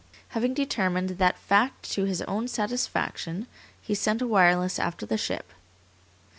Having determined that fact to his own satisfaction, he sent a wireless after the ship.